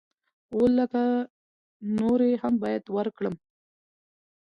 اووه لکه نورې هم بايد ورکړم.